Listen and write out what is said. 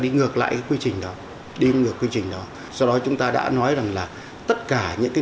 đi ngược lại cái quy trình đó đi ngược quy trình đó do đó chúng ta đã nói rằng là tất cả những cái